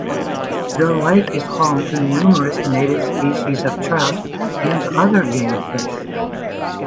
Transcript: The lake is home to numerous native species of trout, and other game fish.